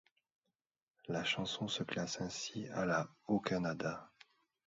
La chanson se classe ainsi à la au Canada.